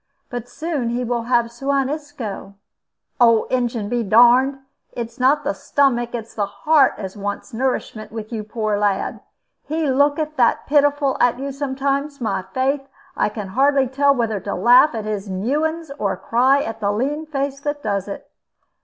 But soon he will have Suan Isco." "Old Injun be darned! It's not the stomach, it's the heart as wants nourishment with yon poor lad. He looketh that pitiful at you sometimes, my faith, I can hardly tell whether to laugh at his newings or cry at the lean face that does it."